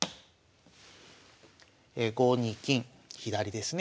５二金左ですね。